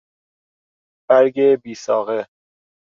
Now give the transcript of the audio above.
برگ بیساقه